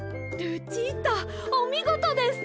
ルチータおみごとです。